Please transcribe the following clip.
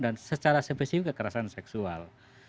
dan secara spesifik kekerasan seksual